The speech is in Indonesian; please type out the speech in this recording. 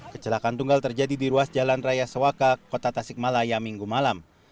kecelakaan tunggal terjadi di ruas jalan raya sewaka kota tasikmalaya minggu malam